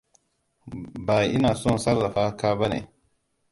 Ba ina son sarrafa ka bane.